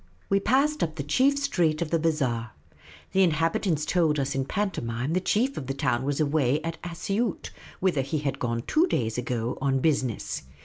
We passed up the chief street of the bazaar. The inhabit ants told us in pantomime the chief of the town was away at Asioot, whither he had gone two days ago on business.